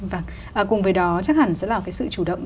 vâng cùng với đó chắc hẳn sẽ là cái sự chủ động